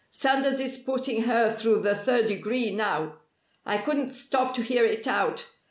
Sanders is putting her through the 'third degree' now. I couldn't stop to hear it out.